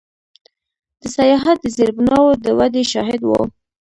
د سیاحت د زیربناوو د ودې شاهد و.